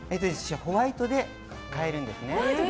ホワイトで変えるんですね。